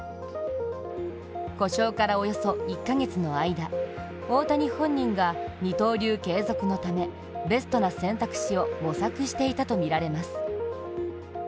故障からおよそ１か月の間、大谷本人が二刀流継続のため、ベストな選択肢を模索していたとみられます。